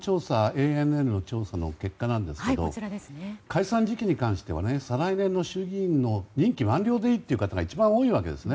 ＡＮＮの世論調査の結果ですが解散時期に関しては再来年の衆議院の任期満了の時でいいという方が一番多いわけです。